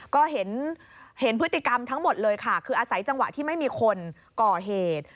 ก็เห็นพฤติกรรมทั้งหมดเลยค่ะคืออาศัยจังหวะที่ไม่มีคนก่อเหตุ